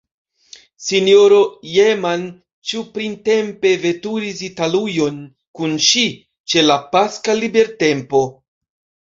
S-ro Jehman ĉiuprintempe veturis Italujon kun ŝi, ĉe la paska libertempo.